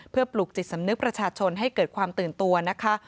เพื่อปลุกจิตสำนึกประชาชนให้เกิดความตื่นตัวนะคะ